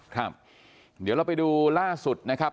ครับเดี๋ยวเราไปดูล่าสุดนะครับ